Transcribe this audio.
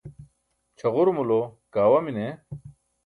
chaġurumulo kaawa mine